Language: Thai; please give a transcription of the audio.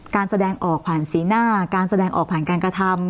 การแสดงออกผ่านสีหน้าการแสดงออกผ่านการกระทำ